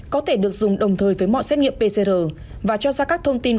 có thể được dùng đồng thời với mọi xét nghiệm pcr và cho ra các thông tin